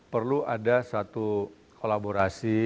perlu ada suatu kolaborasi